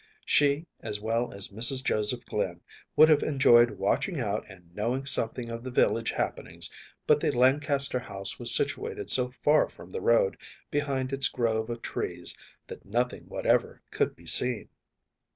She, as well as Mrs. Joseph Glynn, would have enjoyed watching out and knowing something of the village happenings, but the Lancaster house was situated so far from the road, behind its grove of trees, that nothing whatever could be seen.